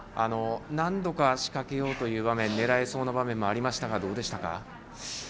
何度か仕掛けようという場面、狙えそうな場面もありましたがどうでしたか？